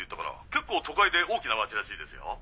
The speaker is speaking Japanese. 結構都会で大きな街らしいですよ。